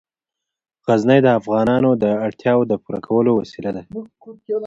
غزني د افغانانو د اړتیاوو د پوره کولو وسیله ده.